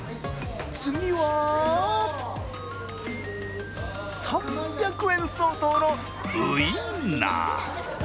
次は３００円相当のウインナー。